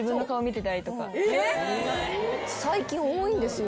最近多いんですよ。